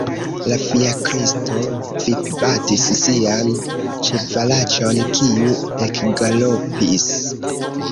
La fiakristo vipbatis sian ĉevalaĉon, kiu ekgalopis.